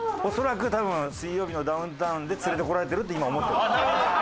恐らく多分『水曜日のダウンタウン』で連れて来られてるって今思ってる。